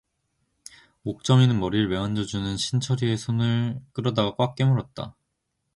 옥점이는 머리를 매만져 주는 신철의 손을 끌어다가 꽉 깨물었다.